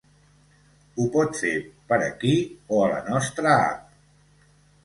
Ho pot fer per aquí, o a la nostra app.